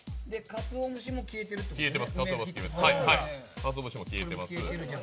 かつおぶしも消えてます。